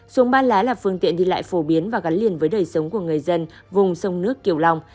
xuống ba lá là phương tiện đi lại phổ biến và gắn liền với đời sống của người dân vùng sông nước kiều long